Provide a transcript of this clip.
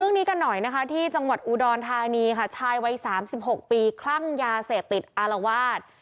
เรื่องนี้กันหน่อยนะคะที่จังหวัดอุดรธานีค่ะชายวัยสามสิบหกปีคลั่งยาเสพติดอารวาส